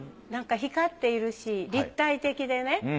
なんか光っているし立体的でね